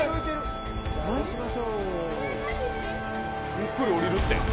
ゆっくり下りるって。